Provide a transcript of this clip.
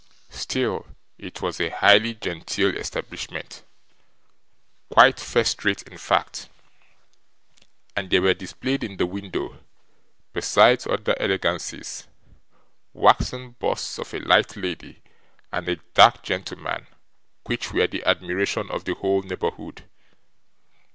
Still, it was a highly genteel establishment quite first rate in fact and there were displayed in the window, besides other elegancies, waxen busts of a light lady and a dark gentleman which were the admiration of the whole neighbourhood.